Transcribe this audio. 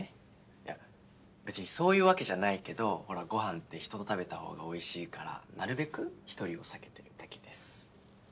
いや別にそういうわけじゃないけどほらごはんって人と食べた方がおいしいからなるべく１人を避けてるだけです。